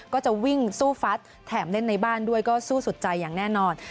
ก็จะวิ่งสู้ฟัดแถมเล่นในบ้านด้วยก็สู้สุดใจอย่างแน่นอน